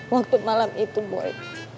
waktu malam itu boy